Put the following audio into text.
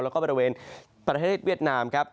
แล้วก็บริเวณประเทศเวียดนามครับ